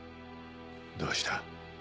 どうした？